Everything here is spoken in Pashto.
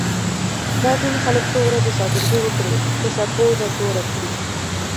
دا ځینې خلک څو ورځې شاگردي وکړي، تشه پوزه توره کړي